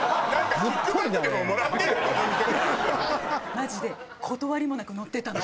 マジで断りもなく載ってたの。